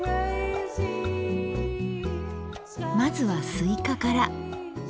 まずはスイカから。